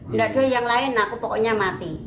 nggak ada yang lain aku pokoknya mati